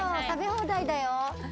食べ放題だよ！